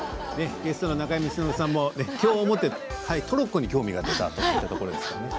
ゲストの中山さんもきょうをもってトロッコに興味が出たということですね。